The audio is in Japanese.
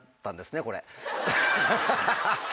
ハハハ。